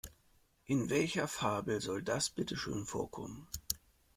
In welcher Fabel soll das bitte schön vorkommen?